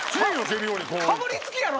かぶりつきやろ！